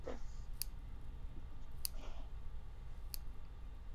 Lugar hay cuyas piedras son zafiro, Y sus polvos de oro.